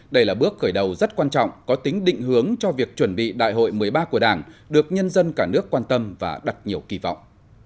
đây là bước khởi đầu rất quan trọng có tính định hướng cho việc chuẩn bị đại hội một mươi ba của đảng được nhân dân cả nước quan tâm và đặt nhiều kỳ vọng